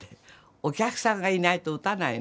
お客さんがいないと打たないの。